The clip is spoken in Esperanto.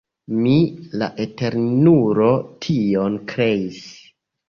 Mi, la Eternulo, tion kreis.